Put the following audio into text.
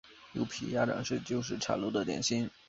柚皮鸭掌是旧式茶楼的点心。